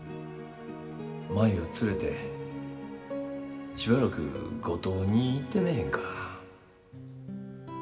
舞を連れて、しばらく五島に行ってめぇへんか？